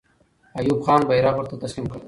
ایوب خان بیرغ ورته تسلیم کړ.